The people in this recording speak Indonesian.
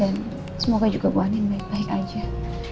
dan semoga juga bu andi baik baik aja